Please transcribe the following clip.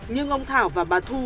nhưng ông thảo và bà thu